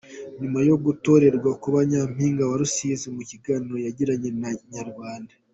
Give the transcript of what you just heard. Nyuma yo gutorerwa kuba Nyampinga wa Rusizi, mu kiganiro yagiranye na Inayrwanda.